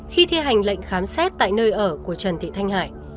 khi thi hành lệnh khám xét tại nơi ở của trần thị thanh hải